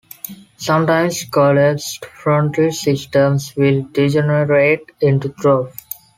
Sometimes collapsed frontal systems will degenerate into troughs.